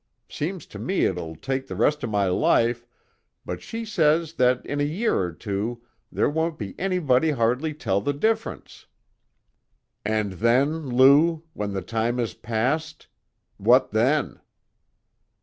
Seems to me it'll take the rest of my life, but she says that in a year or two there won't anybody hardly tell the difference." "And then, Lou, when the time is past? What then?"